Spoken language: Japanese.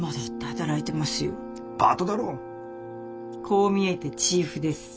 こう見えてチーフです。